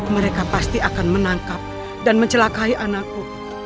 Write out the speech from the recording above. mereka pasti akan menangkap dan mencelakai anakku